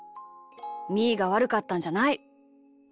みーがわるかったんじゃない。